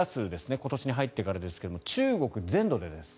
今年に入ってからですが中国全土でです。